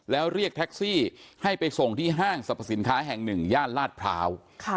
แล้วเรียกแท็กซี่ให้ไปส่งที่ห้างสรรพสินค้าแห่งหนึ่งย่านลาดพร้าว